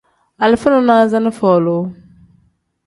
Alifa nonaza ni folu.